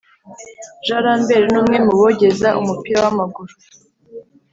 Jean rambert numwe mubogeza umupira wamaguru